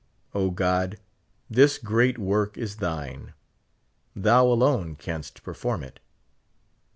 O, God, this great work is thine ; thou alone canst perform it.